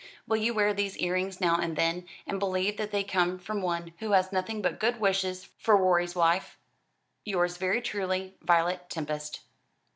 Will you wear these earrings now and then, and believe that they come from one who has nothing but good wishes for Rorie's wife? Yours very truly, "VIOLET TEMPEST."